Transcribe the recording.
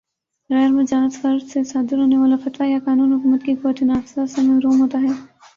غیر مجاز فرد سے صادر ہونے والا فتویٰ یا قانون حکومت کی قوتِ نافذہ سے محروم ہوتا ہے